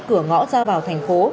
cửa ngõ ra vào thành phố